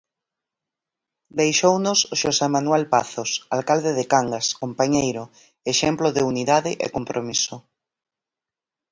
Deixounos Xosé Manuel Pazos, alcalde de Cangas, compañeiro, exemplo de unidade e compromiso.